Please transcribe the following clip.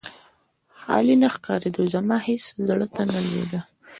خالي نه ښکارېده، زما هېڅ زړه ته نه لوېده.